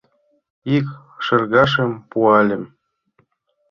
Ик шергашым пуальым.